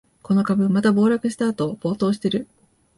この株、また暴落したあと暴騰してる